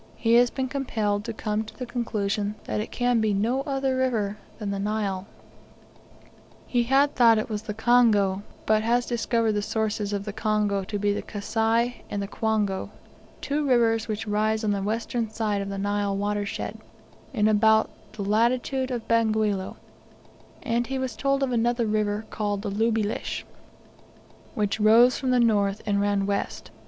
he has been compelled to come to the conclusion that it can be no other river than the Nile. He had thought it was the Congo; but has discovered the sources of the Congo to be the Kassai and the Kwango, two rivers which rise on the western side of the Nile watershed, in about the latitude of Bangweolo; and he was told of another river called the Lubilash, which rose from the north, and ran west.